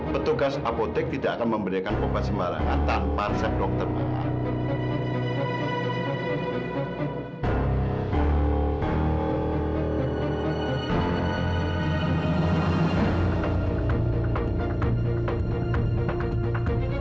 petugas apotek tidak akan memberikan obat sembarangan tanpa resep dokter makan